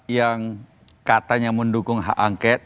yang katanya mendukung hak angket